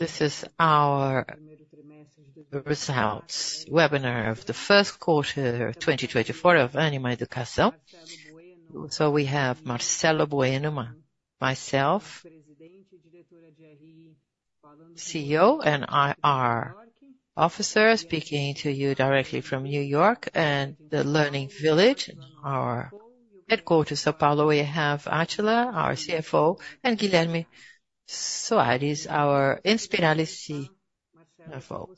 This is our reverse house webinar of the first quarter of 2024 of Ânima Educação. We have Marcelo Bueno, myself, CEO and IR officer speaking to you directly from New York and the Learning Village, our headquarters of São Paulo. We have Átila, our CFO, and Guilherme Soares, our Inspirali CFO.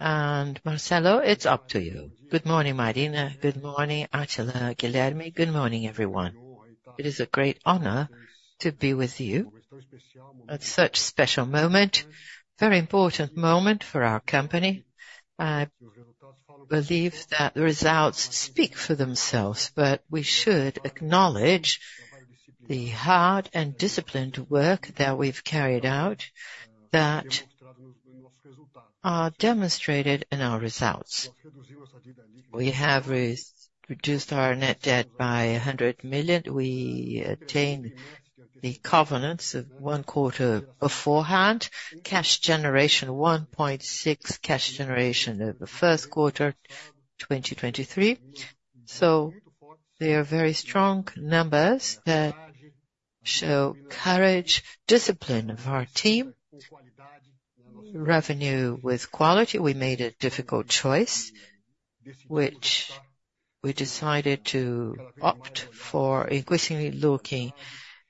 Marcelo, it's up to you. Good morning, Marina. Good morning, Átila. Guilherme, good morning, everyone. It is a great honor to be with you at such a special moment, a very important moment for our company. I believe that the results speak for themselves, but we should acknowledge the hard and disciplined work that we've carried out, that are demonstrated in our results. We have reduced our net debt by 100 million. We attained the covenants one quarter beforehand, cash generation 1.6, cash generation of the first quarter 2023. So they are very strong numbers that show courage, discipline of our team, revenue with quality. We made a difficult choice, which we decided to opt for, increasingly looking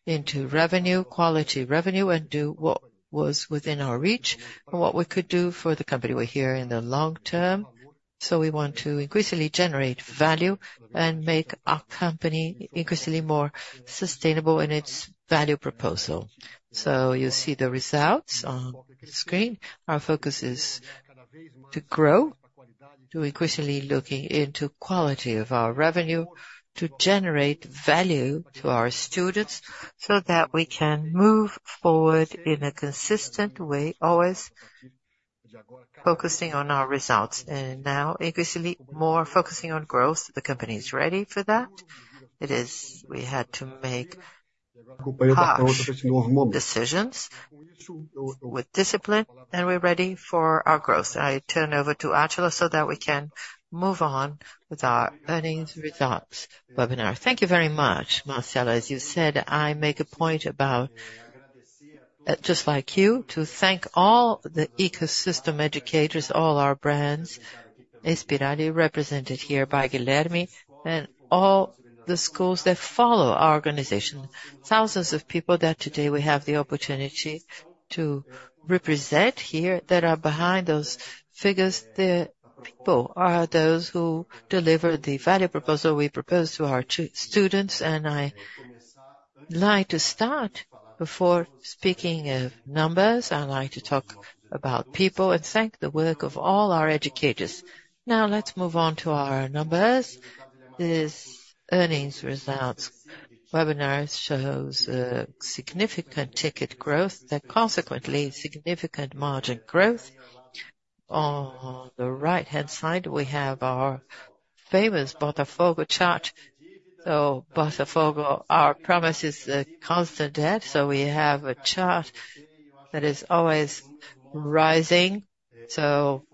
into revenue, quality revenue, and do what was within our reach and what we could do for the company. We're here in the long term, so we want to increasingly generate value and make our company increasingly more sustainable in its value proposal. You see the results on the screen. Our focus is to grow, to increasingly looking into quality of our revenue, to generate value to our students so that we can move forward in a consistent way, always focusing on our results, and now increasingly more focusing on growth. The company is ready for that. We had to make decisions with discipline, and we're ready for our growth. I turn over to Átila so that we can move on with our Earnings Results webinar. Thank you very much, Marcelo. As you said, I make a point about, just like you, to thank all the ecosystem educators, all our brands, Inspirali represented here by Guilherme, and all the schools that follow our organization, thousands of people that today we have the opportunity to represent here, that are behind those figures. The people are those who deliver the value proposal we propose to our students. I'd like to start before speaking of numbers. I'd like to talk about people and thank the work of all our educators. Now let's move on to our numbers. This Earnings Results webinar shows significant ticket growth, that consequently significant margin growth. On the right-hand side, we have our famous Botafogo chart. So Botafogo, our promise is the constant debt. So we have a chart that is always rising. So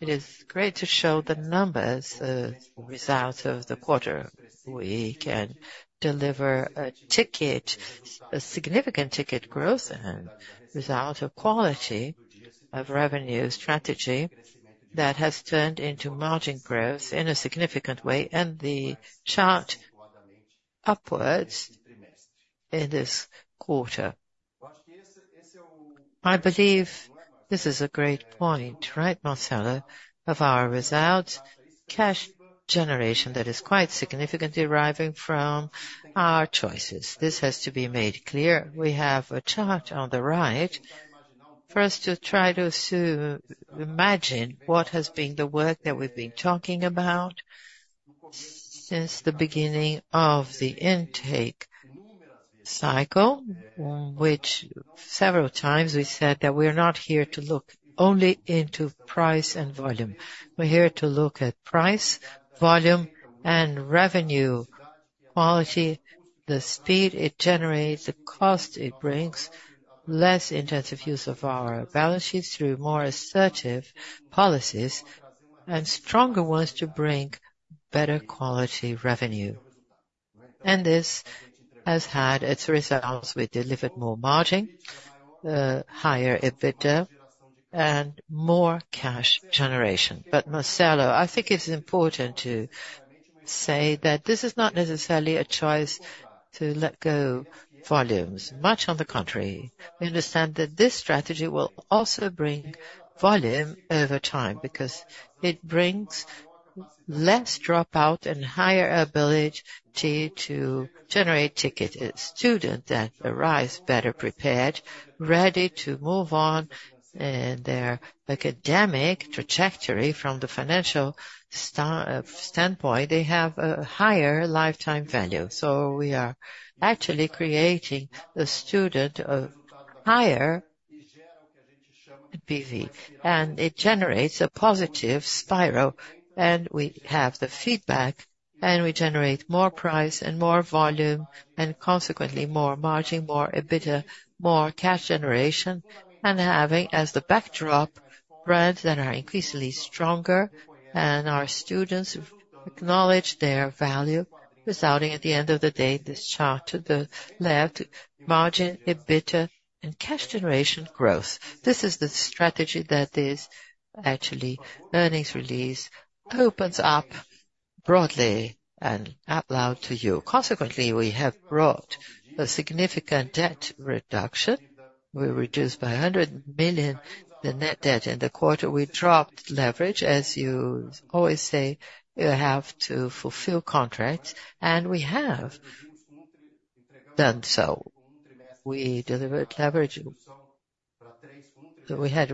it is great to show the numbers, the results of the quarter. We can deliver a significant ticket growth and results of quality of revenues strategy that has turned into margin growth in a significant way. And the chart upwards in this quarter. I believe this is a great point, right, Marcelo, of our results, cash generation that is quite significantly arriving from our choices. This has to be made clear. We have a chart on the right. First, to try to imagine what has been the work that we've been talking about since the beginning of the intake cycle, which several times we said that we are not here to look only into price and volume. We're here to look at price, volume, and revenue, quality, the speed it generates, the cost it brings, less intensive use of our balance sheets through more assertive policies, and stronger ones to bring better quality revenue. And this has had its results. We delivered more margin, higher EBITDA, and more cash generation. But Marcelo, I think it's important to say that this is not necessarily a choice to let go volumes. Much on the contrary. We understand that this strategy will also bring volume over time because it brings less dropout and higher ability to generate tickets. A student that arrives better prepared, ready to move on in their academic trajectory from the financial standpoint, they have a higher lifetime value. So we are actually creating a student of higher PV, and it generates a positive spiral. We have the feedback, and we generate more price and more volume and consequently more margin, more EBITDA, more cash generation, and having as the backdrop brands that are increasingly stronger and our students acknowledge their value resulting at the end of the day in this chart to the left, margin, EBITDA, and cash generation growth. This is the strategy that this actually earnings release opens up broadly and out loud to you. Consequently, we have brought a significant debt reduction. We reduced the net debt by BRL 100 million in the quarter. We dropped leverage. As you always say, you have to fulfill contracts. We have done so. We delivered leverage. We had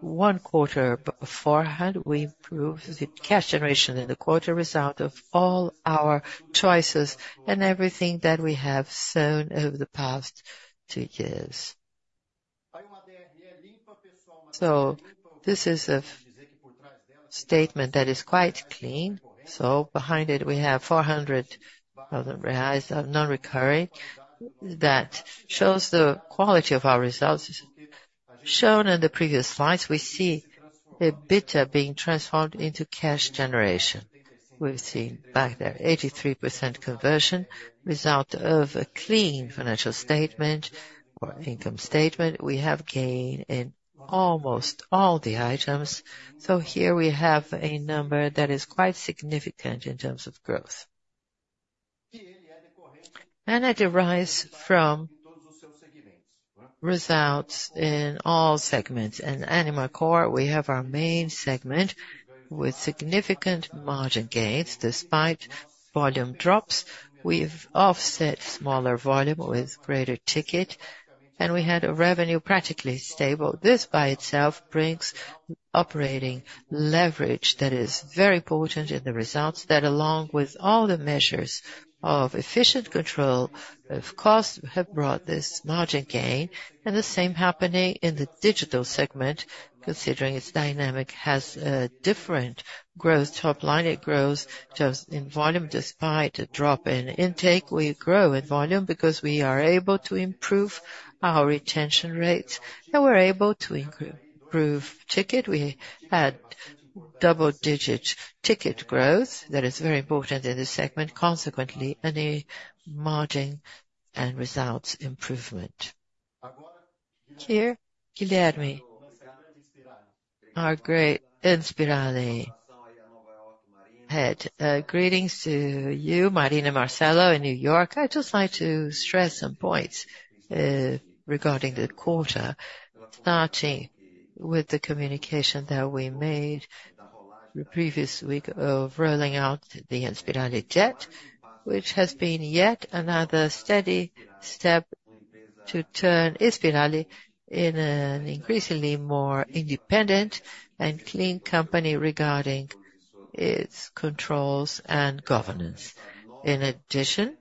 one quarter beforehand. We improved the cash generation in the quarter result of all our choices and everything that we have shown over the past two years. So this is a statement that is quite clean. So behind it, we have 400,000 revised non-recurring that shows the quality of our results. Shown in the previous slides, we see EBITDA being transformed into cash generation. We've seen back there 83% conversion result of a clean financial statement or income statement. We have gain in almost all the items. So here we have a number that is quite significant in terms of growth. And it arises from results in all segments. In Ânima Core, we have our main segment with significant margin gains despite volume drops. We've offset smaller volume with greater ticket, and we had a revenue practically stable. This by itself brings operating leverage that is very important in the results that along with all the measures of efficient control of costs have brought this margin gain. The same happening in the digital segment considering its dynamic has a different growth topline. It grows in volume despite a drop in intake. We grow in volume because we are able to improve our retention rates, and we're able to improve ticket. We had double-digit ticket growth that is very important in this segment. Consequently, any margin and results improvement. Here, Guilherme, our great Inspirali head. Greetings to you, Marina Marcelo, in New York. I just like to stress some points regarding the quarter, starting with the communication that we made the previous week of rolling out the Inspirali debt, which has been yet another steady step to turn Inspirali in an increasingly more independent and clean company regarding its controls and governance. In addition,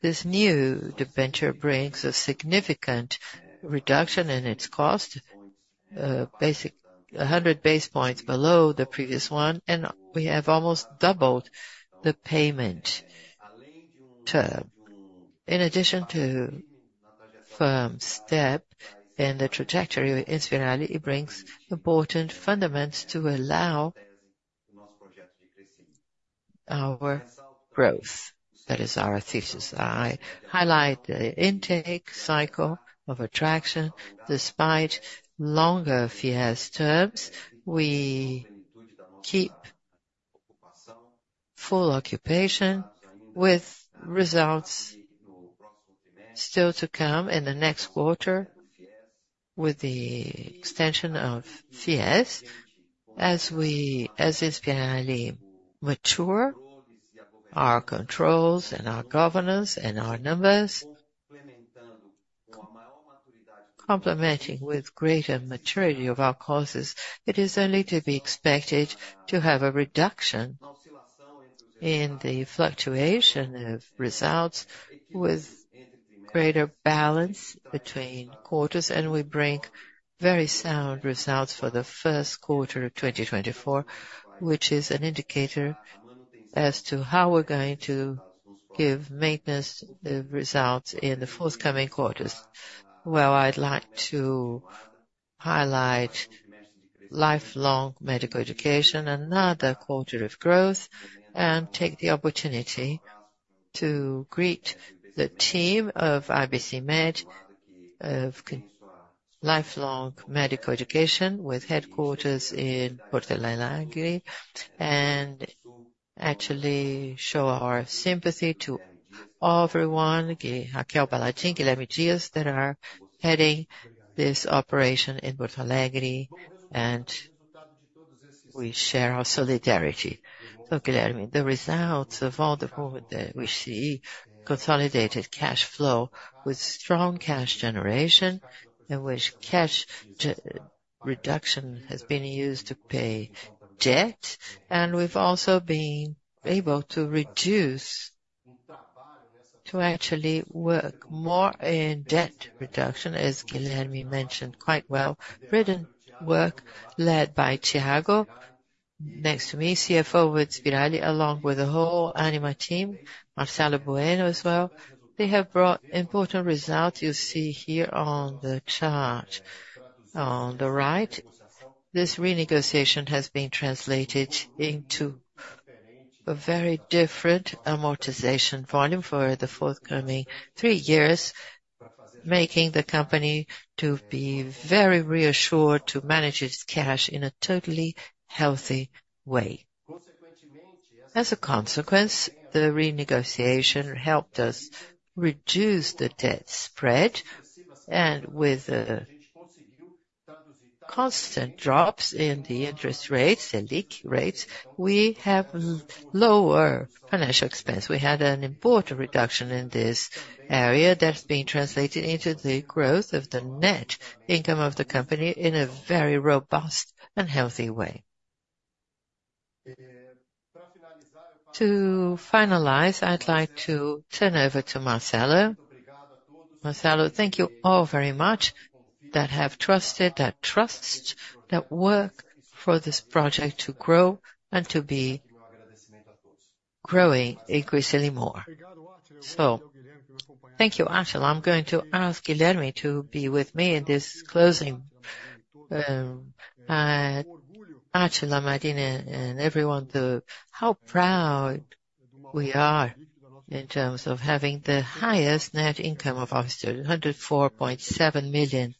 this new debenture brings a significant reduction in its cost, 100 basis points below the previous one, and we have almost doubled the payment term. In addition to firm step and the trajectory of Inspirali, it brings important fundamentals to allow our growth. That is our thesis. I highlight the intake cycle of attraction. Despite longer FIES terms, we keep full occupation with results still to come in the next quarter with the extension of FIES. As Inspirali mature, our controls and our governance and our numbers complementing with greater maturity of our courses, it is only to be expected to have a reduction in the fluctuation of results with greater balance between quarters. And we bring very sound results for the first quarter of 2024, which is an indicator as to how we're going to give maintenance results in the forthcoming quarters. Well, I'd like to highlight lifelong medical education, another quarter of growth, and take the opportunity to greet the team of IBCMED of lifelong medical education with headquarters in Porto Alegre, and actually show our sympathy to everyone, Raquel Balestrin, Guilherme Dias, that are heading this operation in Porto Alegre. We share our solidarity. Guilherme, the results of all the work that we see consolidated cash flow with strong cash generation in which cash reduction has been used to pay debt. And we've also been able to reduce to actually work more in debt reduction, as Guilherme mentioned quite well, written work led by Tiago next to me, CFO with Inspirali, along with the whole Ânima team, Marcelo Bueno as well. They have brought important results you see here on the chart on the right. This renegotiation has been translated into a very different amortization volume for the forthcoming three years, making the company to be very reassured to manage its cash in a totally healthy way. As a consequence, the renegotiation helped us reduce the debt spread. And with constant drops in the interest rates, the Selic rates, we have lower financial expense. We had an important reduction in this area that's being translated into the growth of the net income of the company in a very robust and healthy way. To finalize, I'd like to turn over to Marcelo. Marcelo, thank you all very much that have trusted, that trusts, that work for this project to grow and to be growing increasingly more. So thank you, Átila. I'm going to ask Guilherme to be with me in this closing. Átila, Marina, and everyone, how proud we are in terms of having the highest net income of our student, 104.7 million.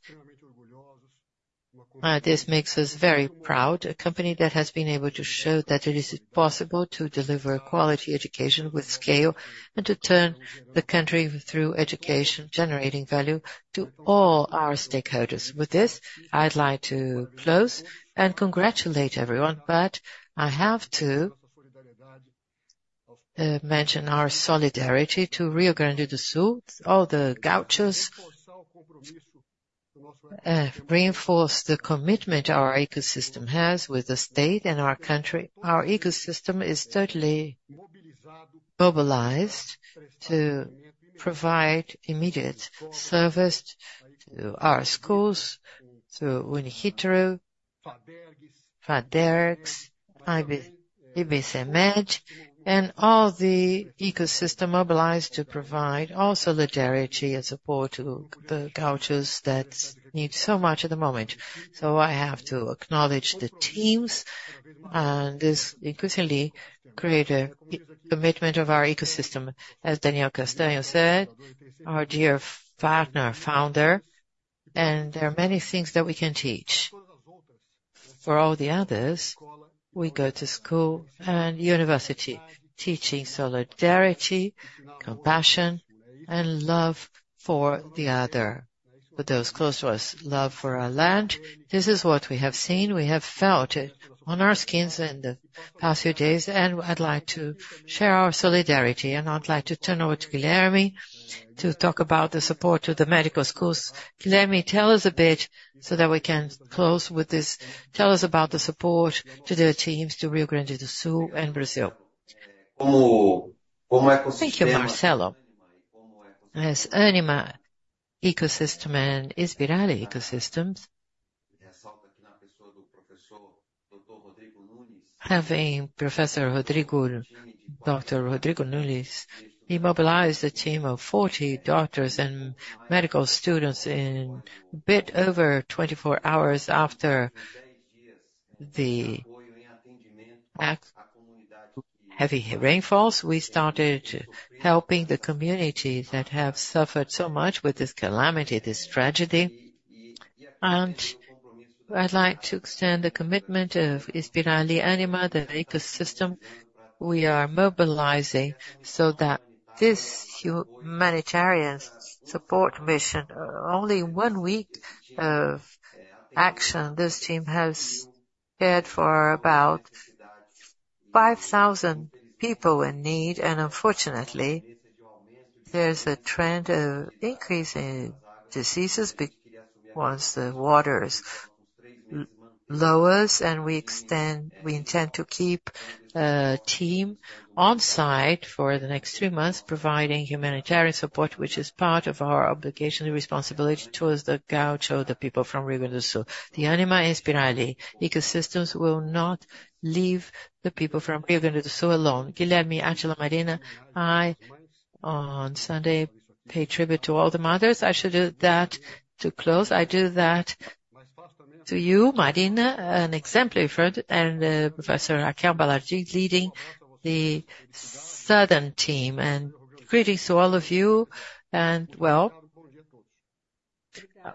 This makes us very proud, a company that has been able to show that it is possible to deliver quality education with scale and to turn the country through education generating value to all our stakeholders. With this, I'd like to close and congratulate everyone. But I have to mention our solidarity to Rio Grande do Sul, all the gauchos, reinforce the commitment our ecosystem has with the state and our country. Our ecosystem is totally mobilized to provide immediate service to our schools, to UniRitter, FADERGS, IBCMED, and all the ecosystem mobilized to provide all solidarity and support to the gauchos that need so much at the moment. So I have to acknowledge the teams and this increasingly created commitment of our ecosystem. As Daniel Castanho said, our dear partner, founder. And there are many things that we can teach. For all the others, we go to school and university teaching solidarity, compassion, and love for the other. For those close to us, love for our land. This is what we have seen. We have felt it on our skins in the past few days. And I'd like to share our solidarity. And I'd like to turn over to Guilherme to talk about the support to the medical schools. Guilherme, tell us a bit so that we can close with this. Tell us about the support to the teams to Rio Grande do Sul and Brazil. Thank you, Marcelo. As Ânima ecosystem and Inspirali ecosystems having Professor Rodrigo Nunes mobilized the team of 40 doctors and medical students in a bit over 24 hours after heavy rainfalls, we started helping the community that have suffered so much with this calamity, this tragedy. I'd like to extend the commitment of Inspirali Ânima, the ecosystem we are mobilizing so that this humanitarian support mission, only one week of action, this team has cared for about 5,000 people in need. Unfortunately, there's a trend of increasing diseases because the waters lowers. We intend to keep a team on site for the next three months providing humanitarian support, which is part of our obligation, the responsibility towards the gaucho, the people from Rio Grande do Sul. The Ânima Inspirali ecosystems will not leave the people from Rio Grande do Sul alone. Guilherme, Átila, Marina, I on Sunday pay tribute to all the mothers. I should do that to close. I do that to you, Marina, an exemplary friend, and Professor Raquel Balestrin leading the southern team. Greetings to all of you. Well,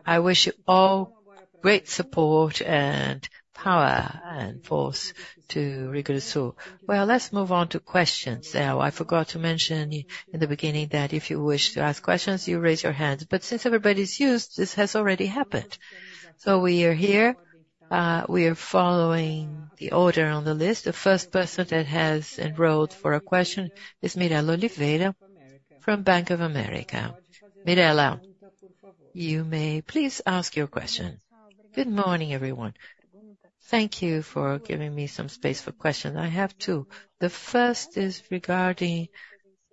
I wish you all great support and power and force to Rio Grande do Sul. Well, let's move on to questions. Now, I forgot to mention in the beginning that if you wish to ask questions, you raise your hands. But since everybody's used, this has already happened. We are here. We are following the order on the list. The first person that has enrolled for a question is Mirela Oliveira from Bank of America. Mirela, you may please ask your question. Good morning, everyone. Thank you for giving me some space for questions. I have two. The first is regarding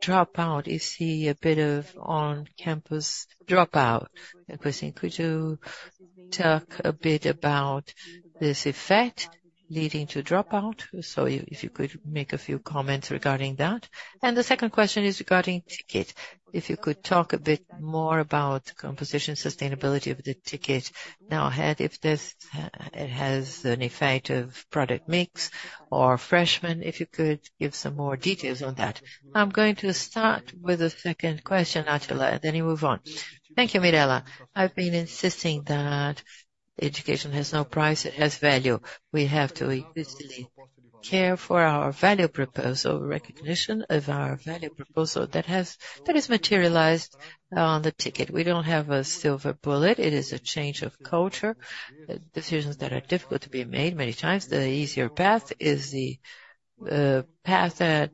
dropout. You see a bit of on-campus dropout. And Christine, could you talk a bit about this effect leading to dropout? So if you could make a few comments regarding that. And the second question is regarding ticket. If you could talk a bit more about composition, sustainability of the ticket now ahead. If it has an effect of product mix or freshmen, if you could give some more details on that. I'm going to start with the second question, Átila, and then you move on. Thank you, Mirela. I've been insisting that education has no price. It has value. We have to increasingly care for our value proposal, recognition of our value proposal that is materialized on the ticket. We don't have a silver bullet. It is a change of culture, decisions that are difficult to be made many times. The easier path is the path that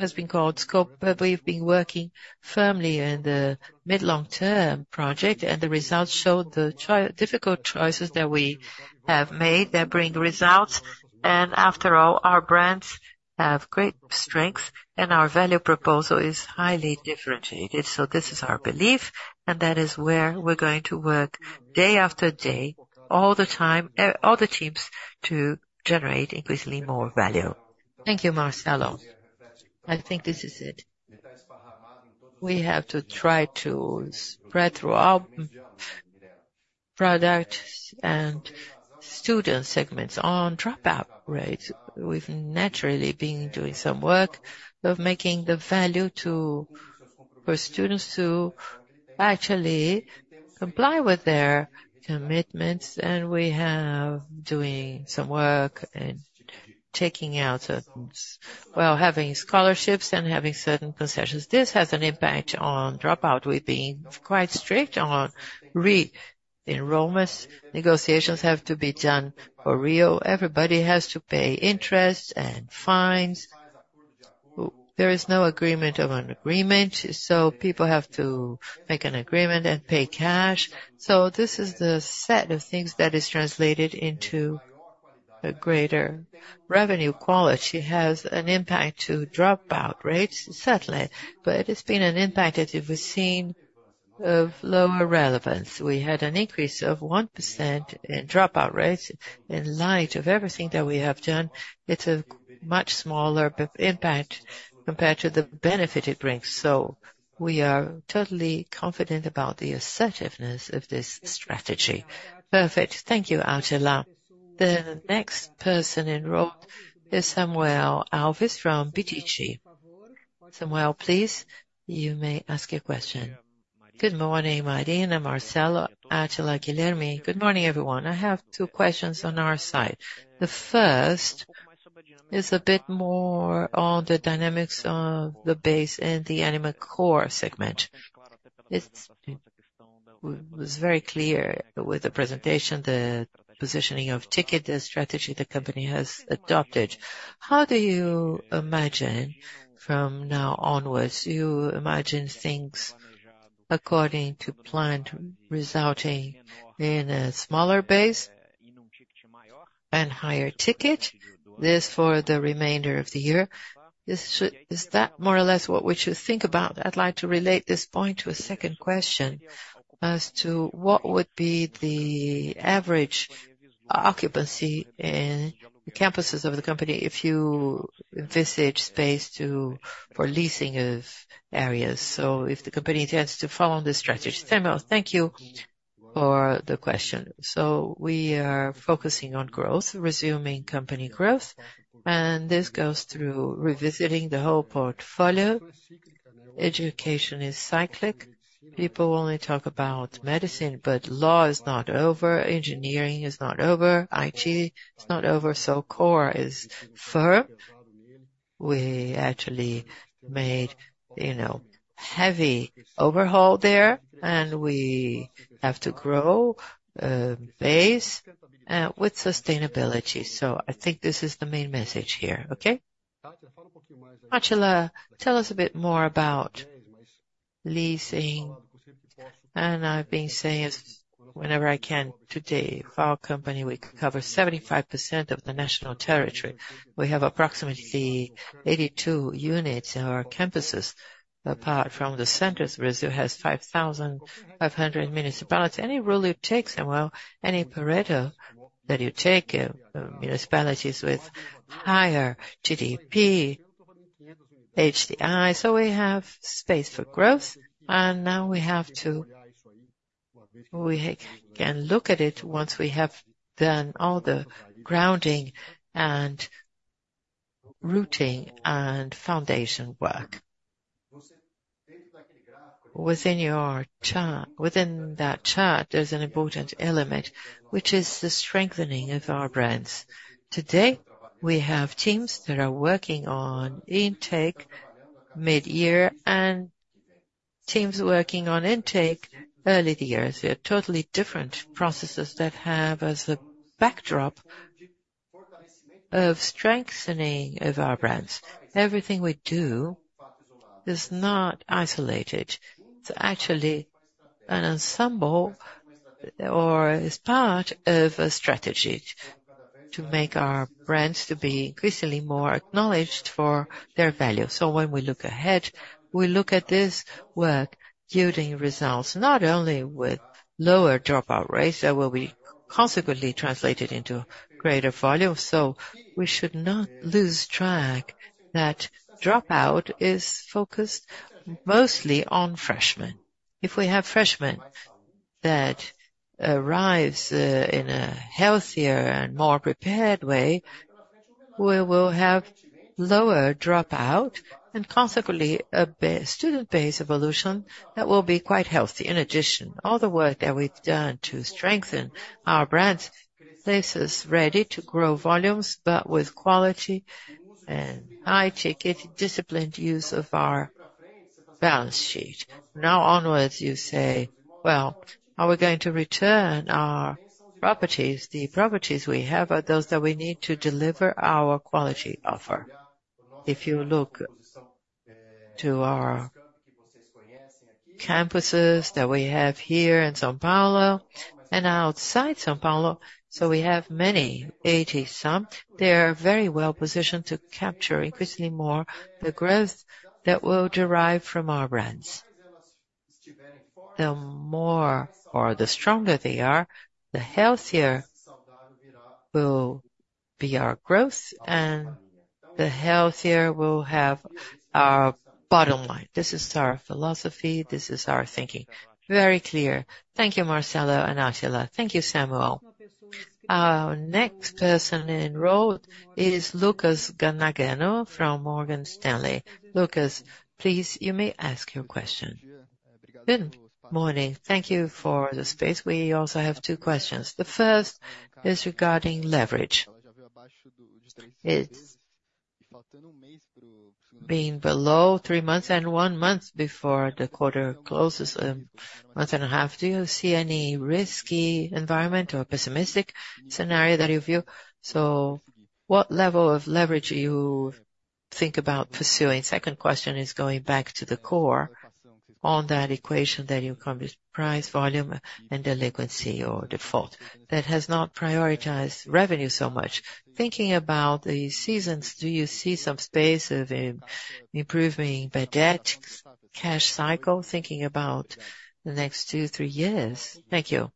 has been called scope. But we've been working firmly in the mid-long-term project. The results showed the difficult choices that we have made that bring results. After all, our brands have great strengths, and our value proposal is highly differentiated. So this is our belief, and that is where we're going to work day after day, all the time, all the teams to generate increasingly more value. Thank you, Marcelo. I think this is it. We have to try to spread throughout products and student segments on dropout rates. We've naturally been doing some work of making the value for students to actually comply with their commitments. We have been doing some work and taking out certain well, having scholarships and having certain concessions. This has an impact on dropout. We've been quite strict on re-enrollments. Negotiations have to be done for real. Everybody has to pay interest and fines. There is no agreement of an agreement. So people have to make an agreement and pay cash. So this is the set of things that is translated into a greater revenue quality. It has an impact to dropout rates, certainly. But it's been an impact that we've seen of lower relevance. We had an increase of 1% in dropout rates. In light of everything that we have done, it's a much smaller impact compared to the benefit it brings. So we are totally confident about the assertiveness of this strategy. Perfect. Thank you, Átila. The next person enrolled is Samuel Alves from BTG. Samuel, please, you may ask your question. Good morning, Marina, Marcelo, Átila, Guilherme. Good morning, everyone. I have two questions on our side. The first is a bit more on the dynamics of the base and the Ânima Core segment. It was very clear with the presentation, the positioning of ticket, the strategy the company has adopted. How do you imagine from now onward? Do you imagine things according to plan resulting in a smaller base and higher ticket? This for the remainder of the year. Is that more or less what we should think about? I'd like to relate this point to a second question as to what would be the average occupancy in the campuses of the company if you envisage space for leasing of areas? So if the company intends to follow this strategy. Samuel, thank you for the question. So we are focusing on growth, resuming company growth. This goes through revisiting the whole portfolio. Education is cyclical. People only talk about medicine, but law is not over. Engineering is not over. IT is not over. So core is firm. We actually made a heavy overhaul there, and we have to grow a base with sustainability. So I think this is the main message here. Okay? Átila, tell us a bit more about leasing. I've been saying whenever I can today, for our company, we cover 75% of the national territory. We have approximately 82 units in our campuses apart from the centers. Brazil has 5,500 municipalities. Any rule you take, Samuel, any Pareto that you take, municipalities with higher GDP, HDI. So we have space for growth. And now we have to. We can look at it once we have done all the grounding and rooting and foundation work. Within that chart, there's an important element, which is the strengthening of our brands. Today, we have teams that are working on intake mid-year and teams working on intake early in the year. So we have totally different processes that have as the backdrop of strengthening of our brands. Everything we do is not isolated. It's actually an ensemble or is part of a strategy to make our brands to be increasingly more acknowledged for their value. So when we look ahead, we look at this work yielding results, not only with lower dropout rates that will be consequently translated into greater volume. So we should not lose track that dropout is focused mostly on freshmen. If we have freshmen that arrive in a healthier and more prepared way, we will have lower dropout and consequently a student base evolution that will be quite healthy. In addition, all the work that we've done to strengthen our brands places us ready to grow volumes but with quality and high ticket disciplined use of our balance sheet. Now onwards, you say, well, are we going to return our properties? The properties we have are those that we need to deliver our quality offer. If you look to our campuses that we have here in São Paulo and outside São Paulo, so we have many, 80-some, they are very well positioned to capture increasingly more the growth that will derive from our brands. The more or the stronger they are, the healthier will be our growth, and the healthier will have our bottom line. This is our philosophy. This is our thinking. Very clear. Thank you, Marcelo and Átila. Thank you, Samuel. Our next person enrolled is Lucas Nagano from Morgan Stanley. Lucas, please, you may ask your question. Good morning. Thank you for the space. We also have two questions. The first is regarding leverage. Being below 3x and one month before the quarter closes, a month and a half, do you see any risky environment or pessimistic scenario that you view? So what level of leverage do you think about pursuing? Second question is going back to the core on that equation that you come. Price, volume, and delinquency or default that has not prioritized revenue so much. Thinking about the seasons, do you see some space of improving bad debt, cash cycle, thinking about the next two, three years? Thank you.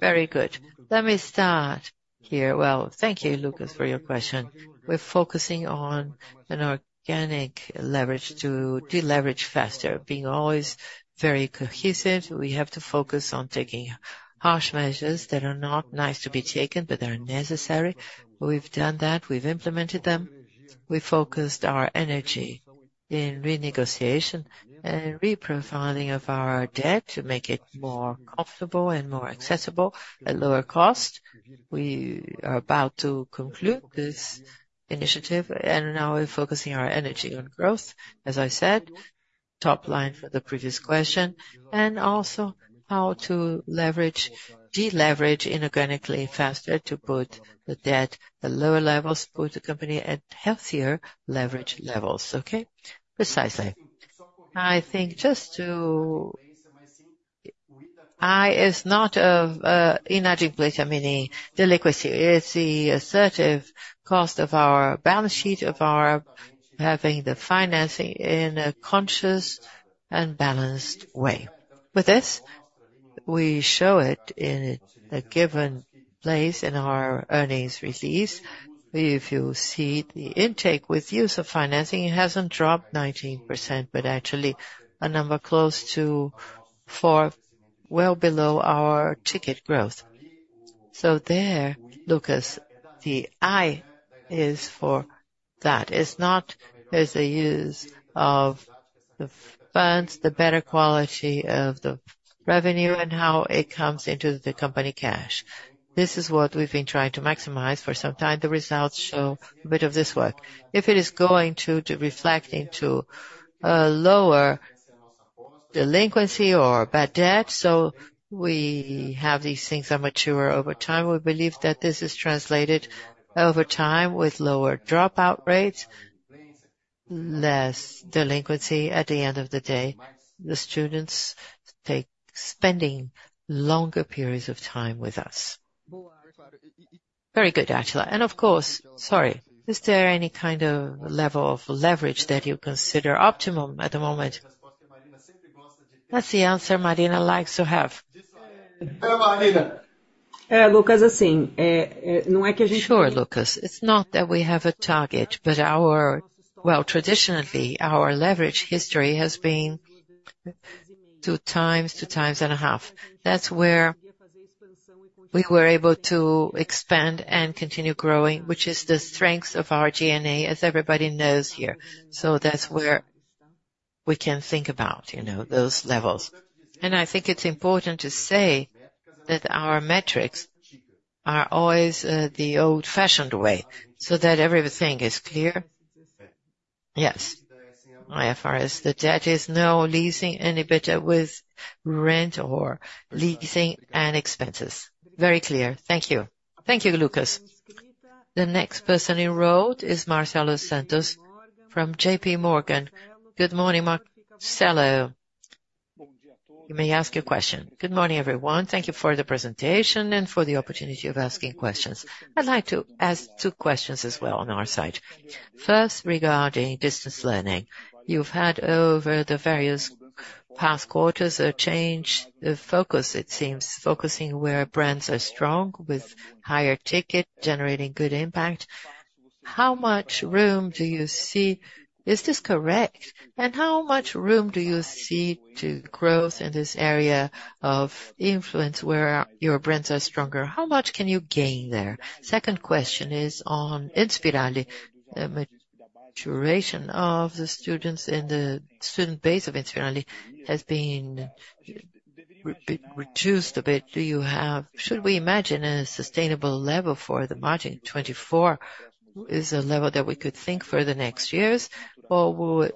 Very good. Let me start here. Well, thank you, Lucas, for your question. We're focusing on an organic leverage to deleverage faster, being always very cohesive. We have to focus on taking harsh measures that are not nice to be taken, but they are necessary. We've done that. We've implemented them. We focused our energy in renegotiation and reprofiling of our debt to make it more comfortable and more accessible at lower cost. We are about to conclude this initiative. And now we're focusing our energy on growth, as I said, top line for the previous question, and also how to deleverage inorganically faster to put the debt at lower levels, put the company at healthier leverage levels. Okay? Precisely. I think just to add, it is not an adjustment, I mean, delinquency. It's the servicing cost of our balance sheet, of our having the financing in a conscious and balanced way. With this, we show it in a given place in our earnings release. If you see the intake with use of financing, it hasn't dropped 19%, but actually a number close to 4, well below our ticket growth. So there, Lucas, the I is for that. It's not the use of the funds, the better quality of the revenue, and how it comes into the company cash. This is what we've been trying to maximize for some time. The results show a bit of this work. If it is going to reflect into a lower delinquency or bad debt, so we have these things that mature over time. We believe that this is translated over time with lower dropout rates, less delinquency. At the end of the day, the students take spending longer periods of time with us. Very good, Átila. And of course, sorry, is there any kind of level of leverage that you consider optimum at the moment? That's the answer Marina likes to have. Lucas, assim, não é que a gente. Sure, Lucas. It's not that we have a target, but well, traditionally, our leverage history has been 2x, 2.5x. That's where we were able to expand and continue growing, which is the strengths of our DNA, as everybody knows here. So that's where we can think about those levels. And I think it's important to say that our metrics are always the old-fashioned way so that everything is clear. Yes. IFRS. The debt is no leasing any better with rent or leasing and expenses. Very clear. Thank you. Thank you, Lucas. The next person enrolled is Marcelo Santos from J.P. Morgan. Good morning, Marcelo. You may ask your question. Good morning, everyone. Thank you for the presentation and for the opportunity of asking questions. I'd like to ask two questions as well on our side. First, regarding distance learning. You've had, over the various past quarters, a change of focus, it seems, focusing where brands are strong with higher ticket, generating good impact. How much room do you see is this correct? And how much room do you see to growth in this area of influence where your brands are stronger? How much can you gain there? Second question is on Inspirali. The maturation of the students in the student base of Inspirali has been reduced a bit. Should we imagine a sustainable level for the margin? 24 is a level that we could think for the next years, or will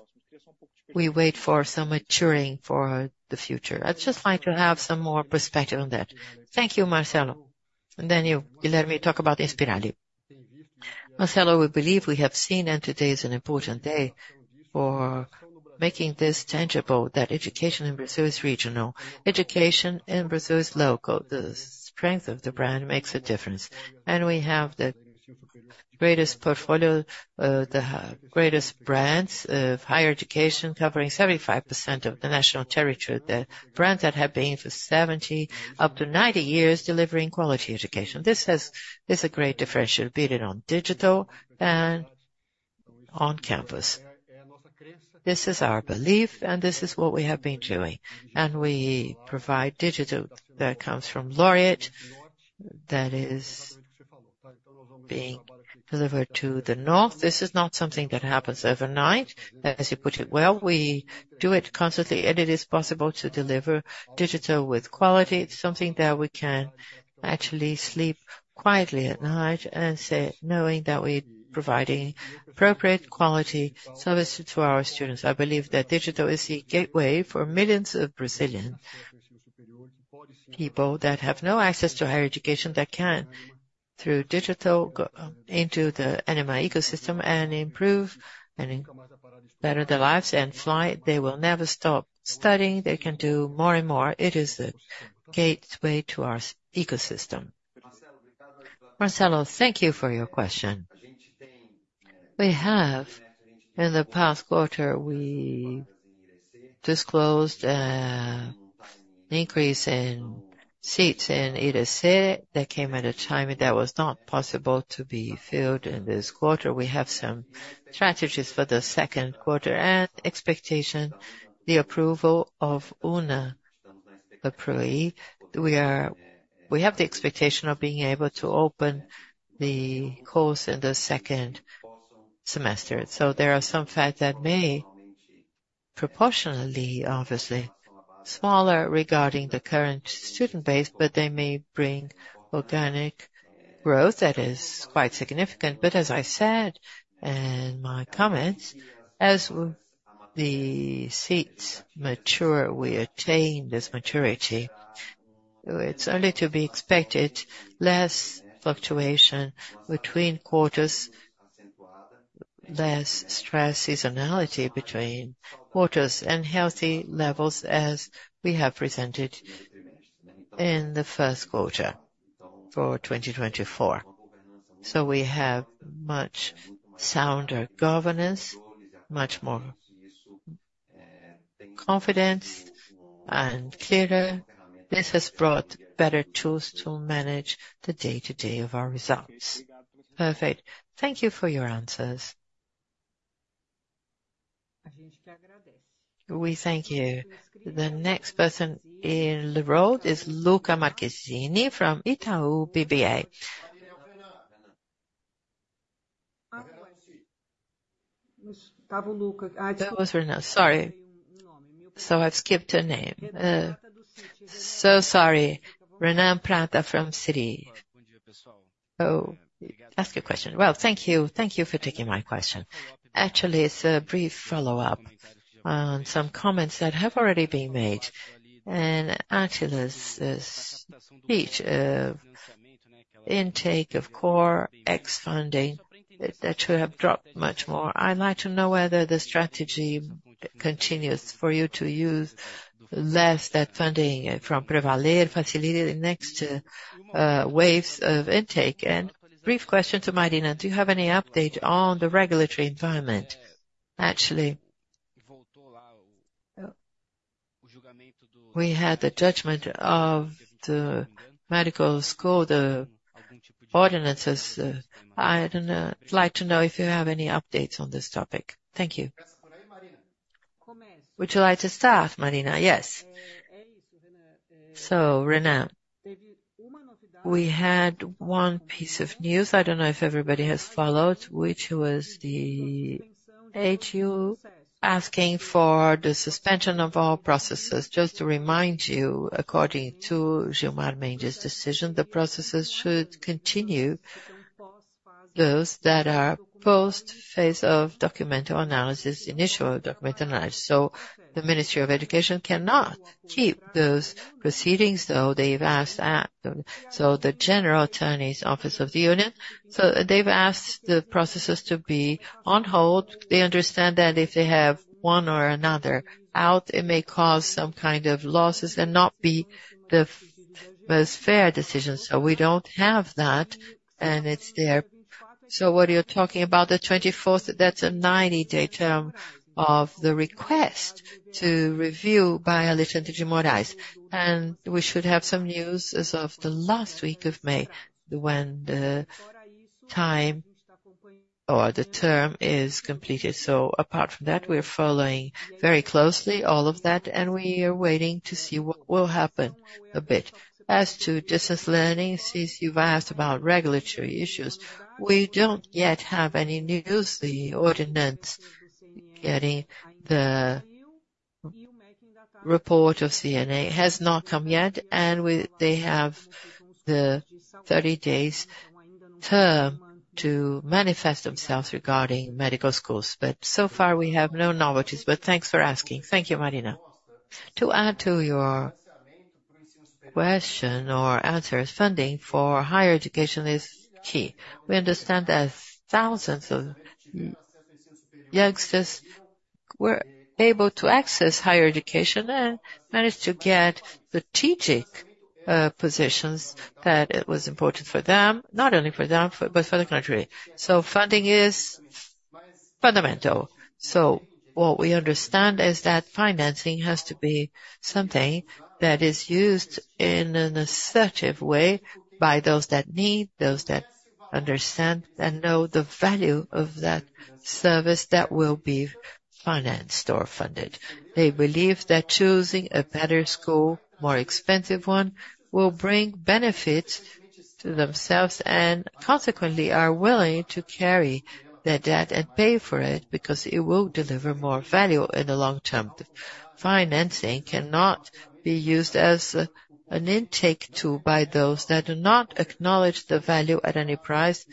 we wait for some maturing for the future? I'd just like to have some more perspective on that. Thank you, Marcelo. And then you let me talk about Inspirali. Marcelo, we believe we have seen, and today is an important day for making this tangible, that education in Brazil is regional. Education in Brazil is local. The strength of the brand makes a difference. We have the greatest portfolio, the greatest brands of higher education covering 75% of the national territory, the brands that have been for 70-90 years delivering quality education. This is a great differential, be it on digital and on campus. This is our belief, and this is what we have been doing. We provide digital that comes from Laureate that is being delivered to the north. This is not something that happens overnight, as you put it well. We do it constantly, and it is possible to deliver digital with quality. It's something that we can actually sleep quietly at night and say, knowing that we're providing appropriate quality services to our students. I believe that digital is the gateway for millions of Brazilian people that have no access to higher education that can, through digital, go into the Ânima ecosystem and improve and better their lives and fly. They will never stop studying. They can do more and more. It is the gateway to our ecosystem. Marcelo, thank you for your question. In the past quarter, we disclosed an increase in seats in Irecê that came at a time that was not possible to be filled in this quarter. We have some strategies for the second quarter and expectation, the approval of UNA approval. We have the expectation of being able to open the course in the second semester. So there are some facts that may proportionally, obviously, be smaller regarding the current student base, but they may bring organic growth that is quite significant. But as I said in my comments, as the seats mature, we attain this maturity. It's only to be expected less fluctuation between quarters, less stress seasonality between quarters, and healthy levels as we have presented in the first quarter for 2024. So we have much sounder governance, much more confidence, and clearer. This has brought better tools to manage the day-to-day of our results. Perfect. Thank you for your answers. We thank you. The next person enrolled is Luca Marquezini from Itaú BBA. That was Renan. Sorry. So I've skipped her name. So sorry. Renan Prata from Citi. Ask your question. Well, thank you. Thank you for taking my question. Actually, it's a brief follow-up on some comments that have already been made. Átila's speech, intake of core ex-funding that should have dropped much more. I'd like to know whether the strategy continues for you to use less that funding from Pravaler, facilitate the next waves of intake. Brief question to Marina. Do you have any update on the regulatory environment? Actually, we had the judgment of the medical school, the ordinances. I'd like to know if you have any updates on this topic. Thank you. Would you like to start, Marina? Yes. So, Renan, we had one piece of news. I don't know if everybody has followed, which was the AGU asking for the suspension of all processes. Just to remind you, according to Gilmar Mendes' decision, the processes should continue those that are post-phase of documental analysis, initial document analysis. So the Ministry of Education cannot keep those proceedings, though they've asked that. So the Attorney General's Office of the Union, so they've asked the processes to be on hold. They understand that if they have one or another out, it may cause some kind of losses and not be the most fair decision. So we don't have that, and it's there. So what you're talking about, the 24th, that's a 90-day term of the request to review by Alexandre de Moraes. And we should have some news as of the last week of May when the time or the term is completed. So apart from that, we're following very closely all of that, and we are waiting to see what will happen a bit. As to distance learning, since you've asked about regulatory issues, we don't yet have any news. The ordinance getting the report of CNE has not come yet, and they have the 30-day term to manifest themselves regarding medical schools. But so far, we have no novelties. But thanks for asking. Thank you, Marina. To add to your question or answer, funding for higher education is key. We understand that thousands of youngsters were able to access higher education and managed to get the teaching positions that were important for them, not only for them, but for the country. So funding is fundamental. So what we understand is that financing has to be something that is used in an assertive way by those that need, those that understand and know the value of that service that will be financed or funded. They believe that choosing a better school, more expensive one, will bring benefits to themselves and, consequently, are willing to carry their debt and pay for it because it will deliver more value in the long term. Financing cannot be used as an intake tool by those that do not acknowledge the value at any price,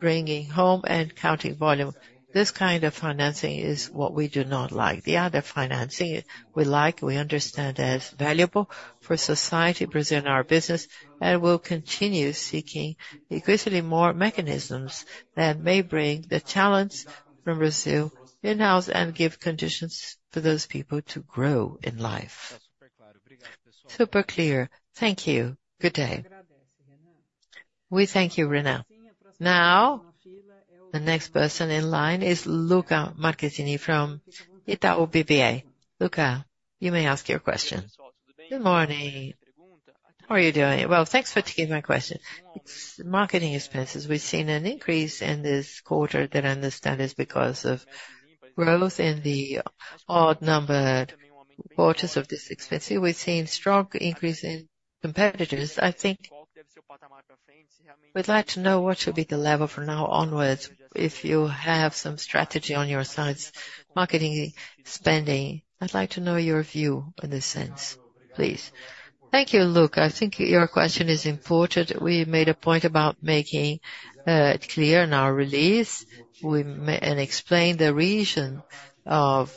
bringing home and counting volume. This kind of financing is what we do not like. The other financing we like, we understand as valuable for society, Brazil, and our business, and will continue seeking increasingly more mechanisms that may bring the talents from Brazil in-house and give conditions for those people to grow in life. Super clear. Thank you. Good day. We thank you, Renan. Now, the next person in line is Luca Marquezini from Itaú BBA. Luca, you may ask your question. Good morning. How are you doing? Well, thanks for taking my question. Marketing expenses, we've seen an increase in this quarter that I understand is because of growth in the odd-numbered quarters of this expense. We've seen a strong increase in competitors. I think we'd like to know what should be the level from now onward. If you have some strategy on your side, marketing spending, I'd like to know your view in this sense, please. Thank you, Luca. I think your question is important. We made a point about making it clear in our release and explain the reason of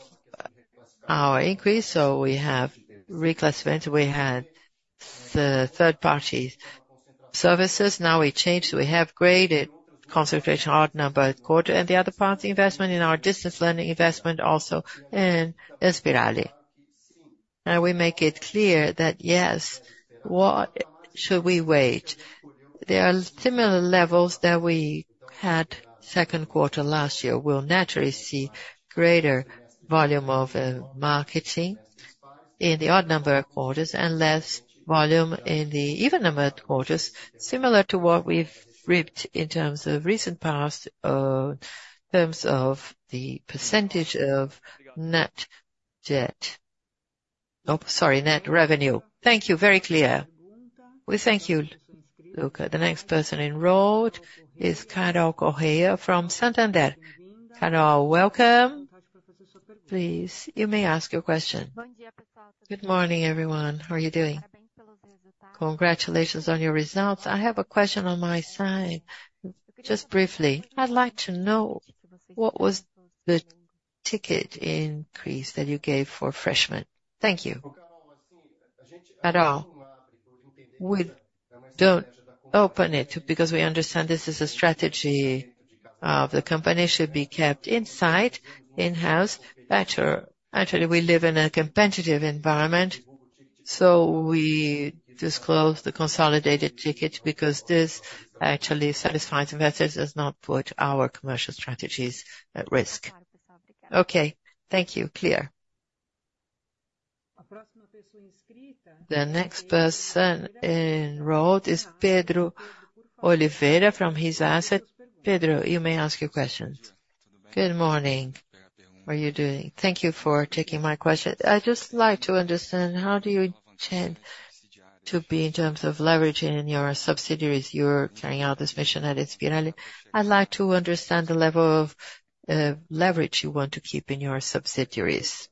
our increase. So we have reclassified. We had third-party services. Now we changed. We have greater concentration odd-numbered quarter and the other parts investment in our distance learning investment also in Inspirali. And we make it clear that, yes, what should we expect? There are similar levels that we had second quarter last year. We'll naturally see greater volume of marketing in the odd-numbered quarters and less volume in the even-numbered quarters, similar to what we've seen in terms of recent past in terms of the percentage of net debt. Oh, sorry, net revenue. Thank you. Very clear. We thank you, Luca. The next person enrolled is Carina Correia from Santander. Carina, welcome, please. You may ask your question. Good morning, everyone. How are you doing? Congratulations on your results. I have a question on my side, just briefly. I'd like to know what was the ticket increase that you gave for freshmen. Thank you. Carina, don't open it because we understand this is a strategy of the company. It should be kept inside, in-house. Actually, we live in a competitive environment, so we disclose the consolidated ticket because this actually satisfies investors and does not put our commercial strategies at risk. Okay. Thank you. Clear. The next person enrolled is Pedro Oliveira from HIX. Pedro, you may ask your questions. Good morning. How are you doing? Thank you for taking my question. I'd just like to understand how do you intend to be in terms of leveraging in your subsidiaries? You're carrying out this mission at Inspirali. I'd like to understand the level of leverage you want to keep in your subsidiaries.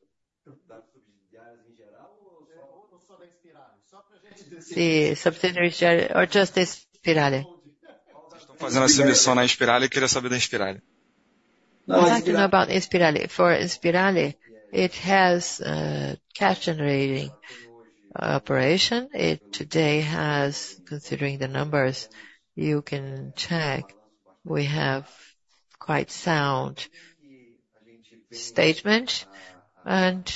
For Inspirali, it has cash-generating operation. Today has, considering the numbers you can check, we have quite a sound statement. And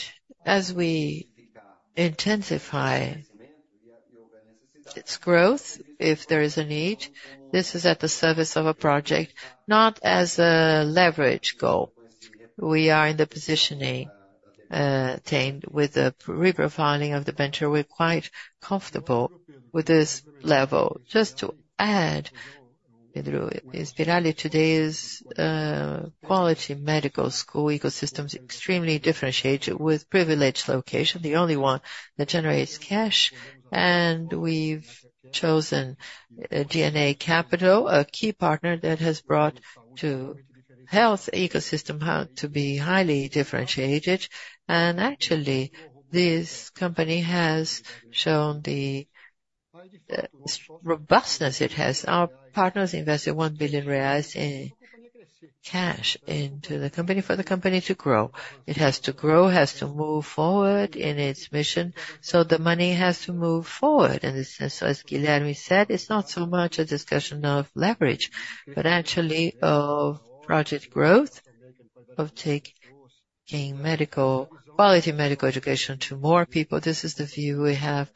as we intensify its growth, if there is a need, this is at the service of a project, not as a leverage goal. We are in the position attained with the reprofiling of the venture. We're quite comfortable with this level. Just to add, Pedro, Inspirali today's quality medical school ecosystem is extremely differentiated with a privileged location, the only one that generates cash. We've chosen DNA Capital, a key partner that has brought the health ecosystem to be highly differentiated. Actually, this company has shown the robustness it has. Our partners invested 1 billion reais in cash into the company for the company to grow. It has to grow, has to move forward in its mission. The money has to move forward. As Guilherme said, it's not so much a discussion of leverage, but actually of project growth, of taking quality medical education to more people. This is the view we have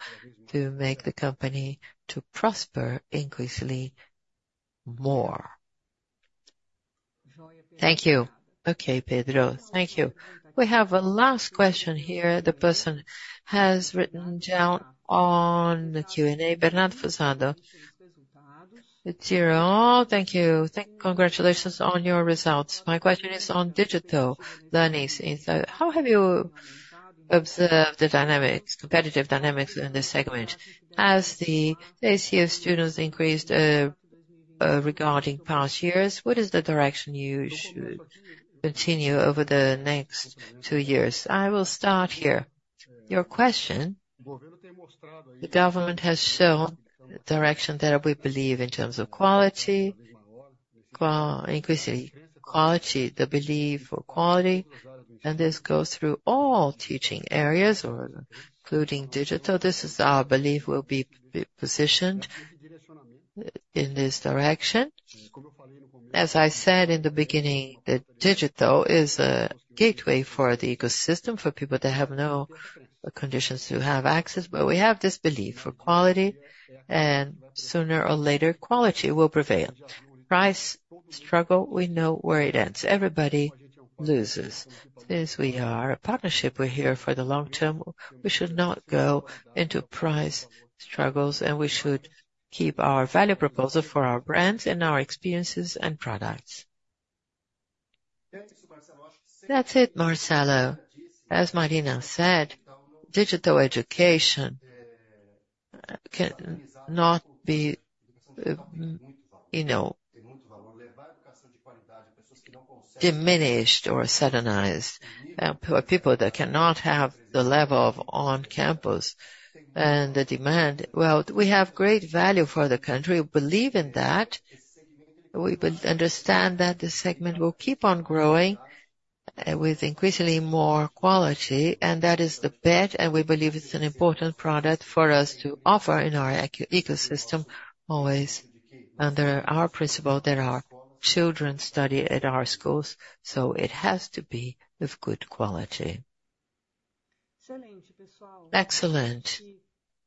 to make the company prosper increasingly more. Thank you. Okay, Pedro. Thank you. We have a last question here. The person has written down on the Q&A, Bernardo Fuzaro. It's your own. Thank you. Congratulations on your results. My question is on digital learnings. How have you observed the dynamics, competitive dynamics in this segment? Has the ACF students increased regarding past years? What is the direction you should continue over the next two years? I will start here. Your question, the government has shown the direction that we believe in terms of quality, increasingly quality, the belief for quality. And this goes through all teaching areas, including digital. This is our belief will be positioned in this direction. As I said in the beginning, the digital is a gateway for the ecosystem for people that have no conditions to have access. But we have this belief for quality, and sooner or later, quality will prevail. Price struggle, we know where it ends. Everybody loses. This is a partnership. We're here for the long term. We should not go into price struggles, and we should keep our value proposition for our brands and our experiences and products. That's it, Marcelo. As Marina said, digital education cannot be diminished or stigmatized for people that cannot have the level of on-campus and the demand. Well, we have great value for the country. We believe in that. We understand that this segment will keep on growing with increasingly more quality, and that is the bet. And we believe it's an important product for us to offer in our ecosystem, always under our principle that our children study at our schools. So it has to be of good quality. Excellent.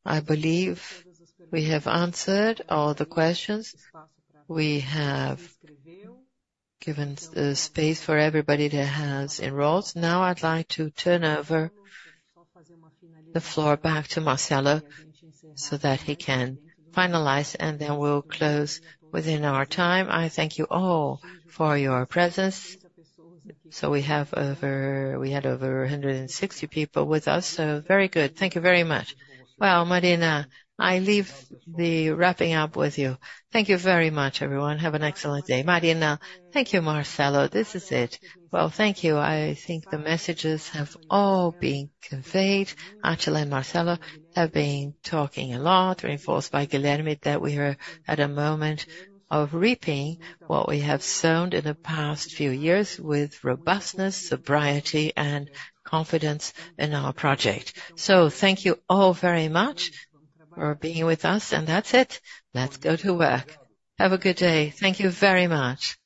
I believe we have answered all the questions. We have given space for everybody that has enrolled. Now, I'd like to turn over the floor back to Marcelo so that he can finalize, and then we'll close within our time. I thank you all for your presence. So we had over 160 people with us. So very good. Thank you very much. Well, Marina, I'll leave wrapping up with you. Thank you very much, everyone. Have an excellent day. Marina, thank you, Marcelo. This is it. Well, thank you. I think the messages have all been conveyed. Ángela and Marcelo have been talking a lot, reinforced by Guilherme, that we are at a moment of reaping what we have sown in the past few years with robustness, sobriety, and confidence in our project. So thank you all very much for being with us. And that's it. Let's go to work. Have a good day. Thank you very much.